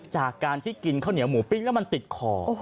จากการที่กินข้าวเหนียวหมูปิ้งแล้วมันติดคอ